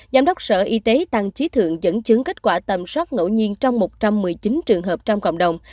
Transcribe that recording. giám đốc sở y tế tăng trí thượng dẫn chứng kết quả tầm soát ngẫu nhiên trong một trăm một mươi chín trường hợp trong cộng đồng